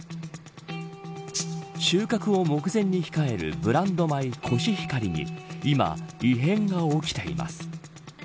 収穫を目前に控えるブランド米コシヒカリに今、異変が起きています。